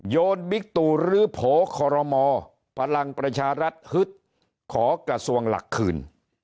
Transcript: โยนบิกตูรูโผครโมพลังประชารัฐฮึดขอก่าวส่วงหลักคื่น